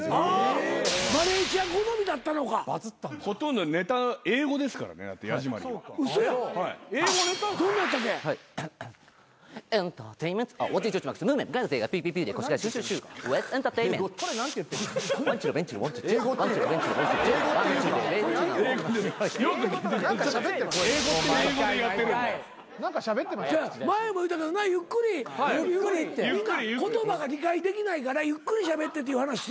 みんな言葉が理解できないからゆっくりしゃべってって話したよね？